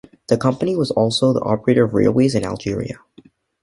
The company was also the operator of railways in Algeria.